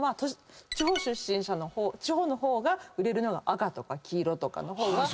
地方出身者の地方の方が売れるのが赤とか黄色とかの。